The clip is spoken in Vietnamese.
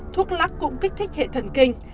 thuốc lóc cũng kích thích hệ thần kinh